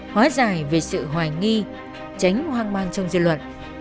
hóa giải về sự hoài nghi tránh hoang mang trong dư luận